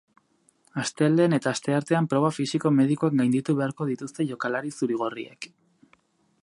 Astelehen eta asteartean proba fisiko-medikoak gainditu beharko dituzte jokalari zuri-gorriek.